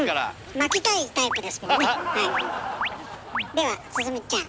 では進ちゃん。